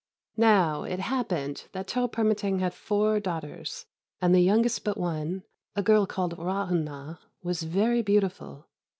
Now it happened that Toh Permâtang had four daughters, and the youngest but one, a girl called Ra'ûnah, was very beautiful.